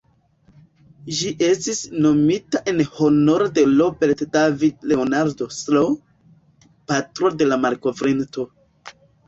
Ĝi estis nomita en honoro de "Robert David Leonard Sr.", patro de la malkovrinto.